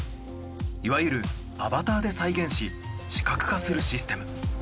いわゆるアバターで再現し視覚化するシステム。